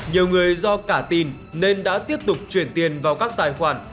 nhiều người do cả tin nên đã tiếp tục chuyển tiền vào các tài khoản